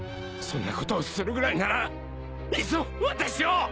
そんなことをするぐらいならいっそ私を。